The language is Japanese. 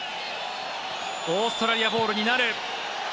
オーストラリアボールになる。